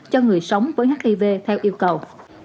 cho người sống với hiv theo yêu cầu